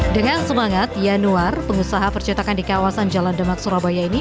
dengan semangat yanuar pengusaha percetakan di kawasan jalan demak surabaya ini